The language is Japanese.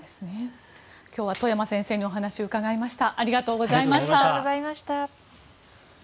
今日は外山先生にお話を伺いました。